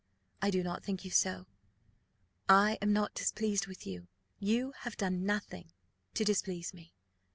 I do not think you so. I am not displeased with you. You have done nothing to displease me.